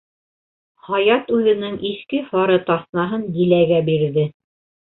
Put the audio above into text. Хаят үҙенең иҫке һары таҫмаһын Диләгә бирҙе.